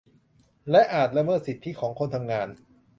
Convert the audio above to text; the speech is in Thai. และอาจละเมิดสิทธิของคนทำงาน